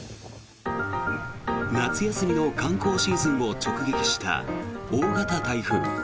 夏休みの観光シーズンを直撃した大型台風。